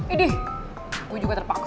iduh gue juga terpaksa kali